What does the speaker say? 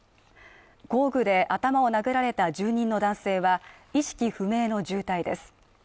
工具で頭を殴られた住人の男性は意識不明の重体です。